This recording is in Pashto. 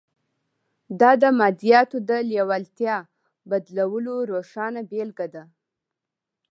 دا د مادیاتو د لېوالتیا بدلولو روښانه بېلګه ده